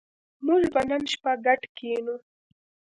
موږ به نن شپه ګډ کېنو